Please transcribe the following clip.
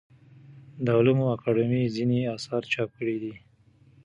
د علومو اکاډمۍ ځینې اثار چاپ کړي دي.